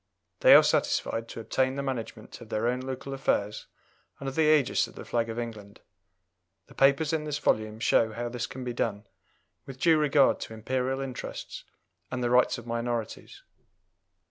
They are satisfied to obtain the management of their own local affairs under the ægis of the flag of England. The papers in this volume show how this can be done with due regard to Imperial interests and the rights of minorities.